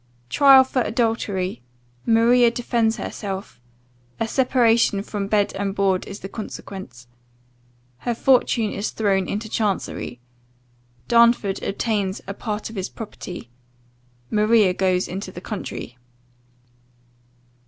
"Trial for adultery Maria defends herself A separation from bed and board is the consequence Her fortune is thrown into chancery Darnford obtains a part of his property Maria goes into the country."